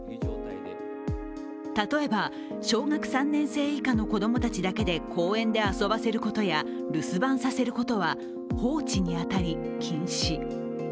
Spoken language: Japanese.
例えば、小学３年生以下の子供たちだけで公園で遊ばせることや留守番させることは放置に当たり禁止。